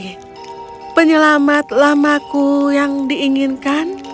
oke penyelamat lamaku yang diinginkan